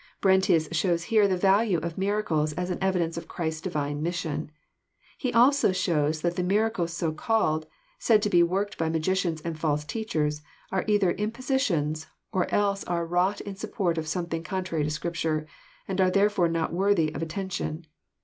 " Brentius shows here the value of miracles as an evidence of Christ's Divine mission. He also shows that the miracles so called, said to be worked by magicians and false teachers, are either impositions, or else are wrought in support of something contrary to Scripture, and are therefore not worthy of atten tion.